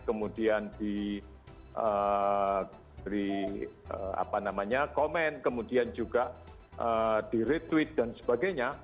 kemudian di comment kemudian juga di retweet dan sebagainya